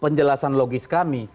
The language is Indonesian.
penjelasan logis kami